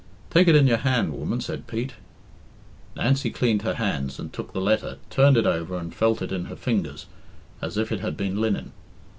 "Take it in your hand, woman," said Pete. Nancy cleaned her hands and took the letter, turned it over and felt it in her fingers as if it had been linen.